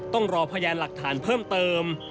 ต้องรอพยานหลักฐานเพิ่มเติม